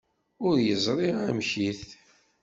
Ur yeẓri amek-it?